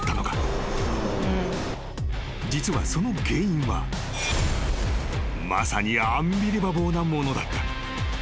［実はその原因はまさにアンビリバボーなものだった］